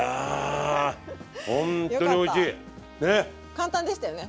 簡単でしたよね？